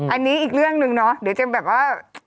อันนี้อีกเรื่องหนึ่งเนาะเดี๋ยวจะแบบว่า